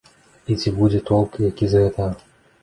І ці будзе толк які з гэтага?